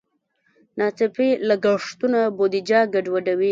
ناڅاپي لګښتونه بودیجه ګډوډوي.